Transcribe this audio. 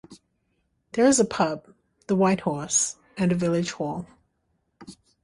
There is a pub, the White Horse, and a village hall.